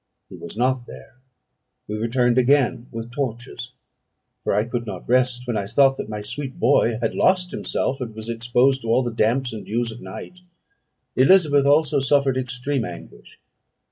He was not there. We returned again, with torches; for I could not rest, when I thought that my sweet boy had lost himself, and was exposed to all the damps and dews of night; Elizabeth also suffered extreme anguish.